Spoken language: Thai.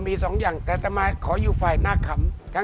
มีสองอย่างแต่มาขออยู่ฝ่ายหน้าขำ